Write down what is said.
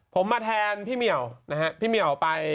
ผมมาแทนพี่เหมียวนะฮะพี่เหมียวไป